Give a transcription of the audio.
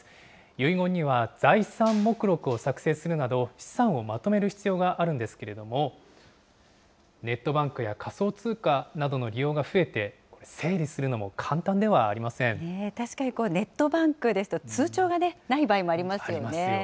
遺言には財産目録を作成するなど、資産をまとめる必要があるんですけれども、ネットバンクや仮想通貨などの利用が増えて、整理するのも簡単で確かに、ネットバンクですと、ありますよね。